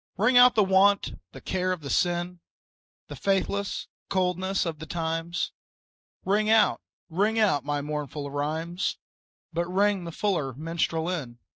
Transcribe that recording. Ring out the want, the care the sin, The faithless coldness of the times; Ring out, ring out my mournful rhymes, But ring the fuller minstrel in.